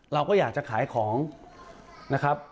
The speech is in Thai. เราก็อยากจะขายของนะครับ